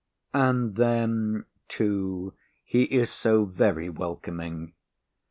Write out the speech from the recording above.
And then, too, he is so very welcoming.